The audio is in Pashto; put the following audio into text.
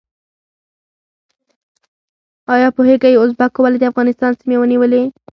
ایا پوهیږئ ازبکو ولې د افغانستان سیمې ونیولې؟